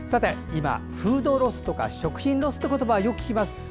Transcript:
今、フードロスとか食品ロスって言葉、よく聞きます。